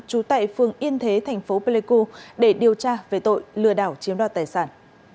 trú tại phường yên thế thành phố pleiku để điều tra về tội lừa đảo chiếm đoạt tài sản